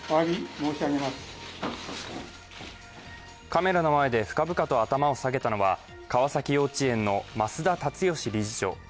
カメラの前で深々と頭を下げたのは川崎幼稚園の増田立義理事長。